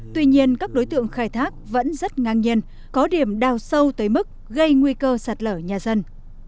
tuy nhiên các đối tượng khai thác vẫn rất ngang nhiên có điểm đào sâu tới mức gây nguy cơ sạt lở nhà dân